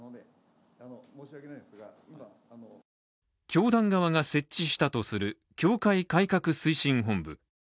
教団側が設置したとする教会改革推進本部。